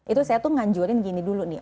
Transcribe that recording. itu saya tuh nganjurin gini dulu nih